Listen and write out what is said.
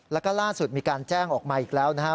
แล้วก็ล่าสุดมีการแจ้งออกมาอีกแล้วนะครับ